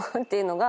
が